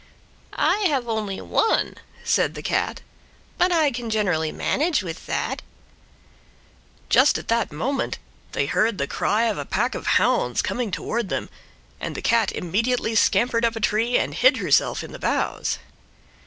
"I have only one," said the Cat; "but I can generally manage with that." Just at that moment they heard the cry of a pack of hounds coming toward them, and the Cat immediately scampered up a tree and hid herself in the boughs.